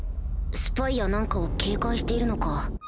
スパイや何かを警戒しているのか